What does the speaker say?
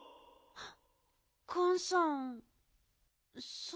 あっ！